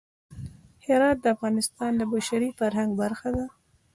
هرات د افغانستان د بشري فرهنګ برخه ده.